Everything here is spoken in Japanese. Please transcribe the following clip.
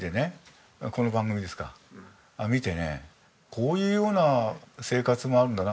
こういうような生活もあるんだな。